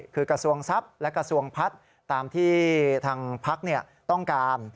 คือกระทรวงทรัพย์และกระทรวงพัฒน์ตามที่ทางพักต้องการ